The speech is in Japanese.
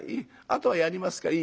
あとはやりますから。